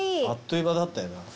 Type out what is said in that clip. あっという間だったよな。